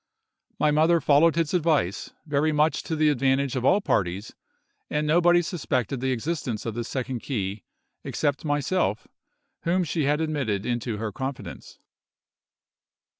My mother followed his advice, very much to the advantage of all parties; and nobody suspected the existence of this second key except myself, whom she had admitted into her confidence.